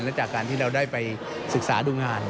และจากการที่เราได้ไปศึกษาดูงาน